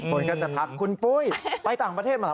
คนก็จะทักคุณปุ้ยไปต่างประเทศเหรอ